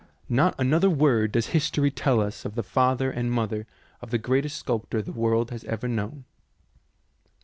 Not another word does history tell us of the father and mother of the greatest sculptor the world has ever known.